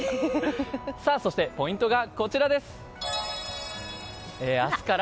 そしてポイントがこちらです。